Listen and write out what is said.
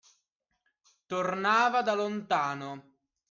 Tornava da lontano.